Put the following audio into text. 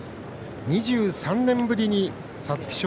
２３年ぶりに皐月賞